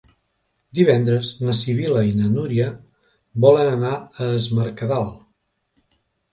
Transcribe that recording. Divendres na Sibil·la i na Núria volen anar a Es Mercadal.